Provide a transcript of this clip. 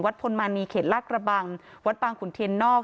พลมานีเขตลาดกระบังวัดบางขุนเทียนนอก